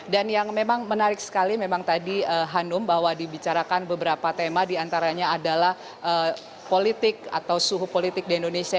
dan yang memang menarik sekali memang tadi hanum bahwa dibicarakan beberapa tema diantaranya adalah politik atau suhu politik di indonesia